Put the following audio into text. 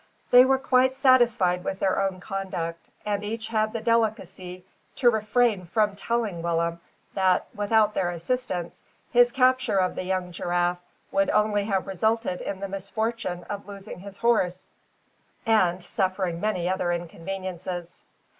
They were quite satisfied with their own conduct; and each had the delicacy to refrain from telling Willem, that, without their assistance, his capture of the young giraffe would only have resulted in the misfortune of losing his horse, and suffering many other inconveniences.